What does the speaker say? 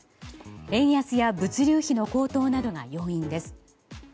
円安や物流費の高騰などが要因です。